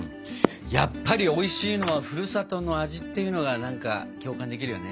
やっぱりおいしいのはふるさとの味っていうのが何か共感できるよね。